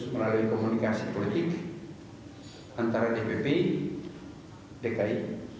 melalui komunikasi politik antara dpp dki